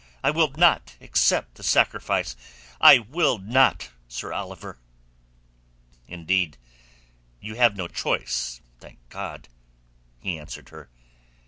I will not accept the sacrifice. I will not, Sir Oliver." "Indeed, you have no choice, thank God!" he answered her.